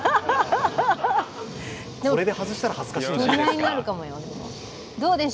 これで外したら恥ずかしいな。